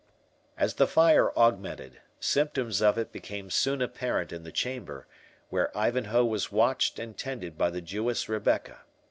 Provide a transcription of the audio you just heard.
As the fire augmented, symptoms of it became soon apparent in the chamber, where Ivanhoe was watched and tended by the Jewess Rebecca.